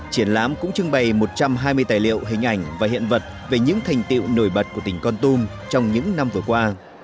triển lãm cũng trưng bày một trăm hai mươi tài liệu hình ảnh và hiện vật về những thành tiệu nổi bật của tỉnh con tum trong những năm vừa qua